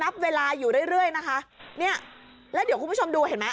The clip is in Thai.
นะคะเนี้ยแล้วเดี๋ยวคุณผู้ชมดูเห็นไหม